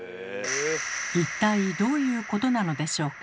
一体どういうことなのでしょうか？